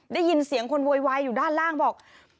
ได้ยินเสียงคนโวยวายอยู่ด้านล่างบอก